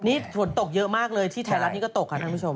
นี่ฝนตกเยอะมากเลยที่ไทยรัฐนี่ก็ตกค่ะท่านผู้ชม